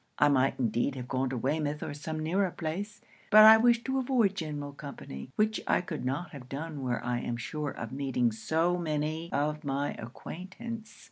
I might indeed have gone to Weymouth or some nearer place; but I wish to avoid general company, which I could not have done where I am sure of meeting so many of my acquaintance.